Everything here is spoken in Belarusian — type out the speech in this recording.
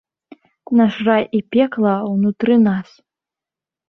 Наш рай і пекла ўнутры нас.